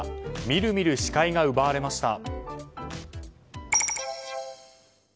みるみる視界が奪われました。